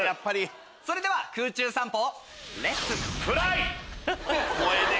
それでは空中散歩。